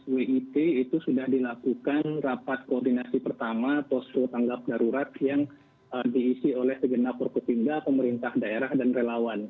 dua ribu delapan belas wit itu sudah dilakukan rapat koordinasi pertama posko tanggap darurat yang diisi oleh segenapur ketimba pemerintah daerah dan relawan